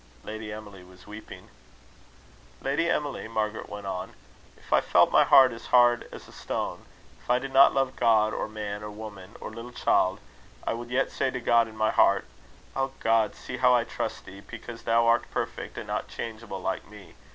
Lady Emily was weeping. "Lady Emily," Margaret went on, "if I felt my heart as hard as a stone; if I did not love God, or man, or woman, or little child, I would yet say to God in my heart: 'O God, see how I trust thee, because thou art perfect, and not changeable like me.